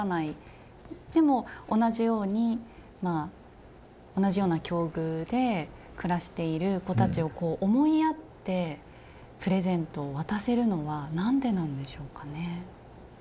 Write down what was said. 同じように同じような境遇で暮らしている子たちをこう思いやってプレゼントを渡せるのは何でなんでしょうかね？